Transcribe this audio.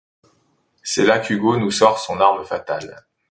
Et c’est là qu’Hugo nous sort son arme fatale.